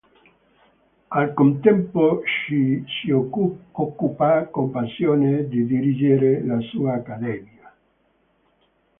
Al contempo si occupa con passione di dirigere la sua Accademia.